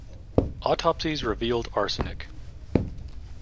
Autopsies revealed arsenic.